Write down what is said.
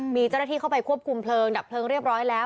มีเจ้าหน้าที่เข้าไปควบคุมเพลิงดับเพลิงเรียบร้อยแล้ว